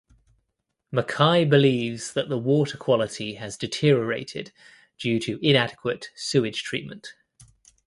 Mackay believes that the water quality has deteriorated due to inadequate sewage treatment.